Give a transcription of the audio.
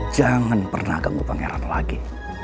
jangan pernah ganggu pangeran lagi